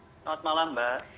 selamat malam mbak